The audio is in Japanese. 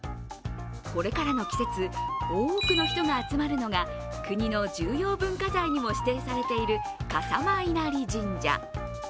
これからの季節、多くの人が集まるのが、国の重要文化財にも指定されている笠間稲荷神社。